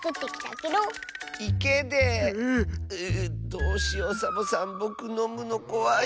どうしようサボさんぼくのむのこわいよ。